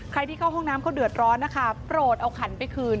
ที่เข้าห้องน้ำเขาเดือดร้อนนะคะโปรดเอาขันไปคืน